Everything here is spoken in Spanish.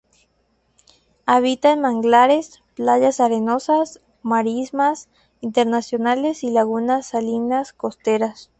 Habita en manglares, playas arenosas, marismas intermareales y lagunas salinas costeras.